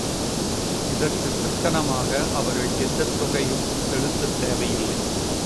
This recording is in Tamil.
இதற்குக் கட்டணமாக அவர்கள் எந்தத் தொகையும் செலுத்தத் தேவையில்லை.